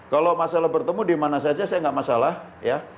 kalau masalah bertemu di mana saja saya tidak masalah ya